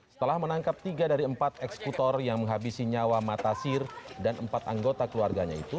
setelah menangkap tiga dari empat eksekutor yang menghabisi nyawa matasir dan empat anggota keluarganya itu